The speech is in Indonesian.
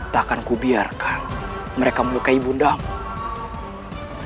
takkan kubiarkan mereka melukai bunda mu